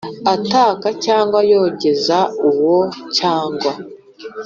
ataka cyangwa yogeza uwo cyangwa